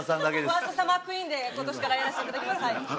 ファーストサマークイーンで今年からやらせていただきます。